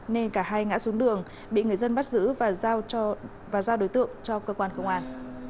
nên cả hai ngã xuống đường bị người dân bắt giữ và giao và giao đối tượng cho cơ quan công an